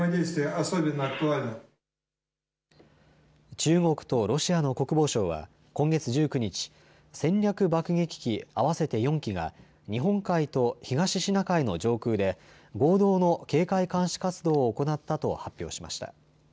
中国とロシアの国防省は今月１９日、戦略爆撃機、合わせて４機が日本海と東シナ海の上空で合同の警戒監視活動を行ったと発表しました。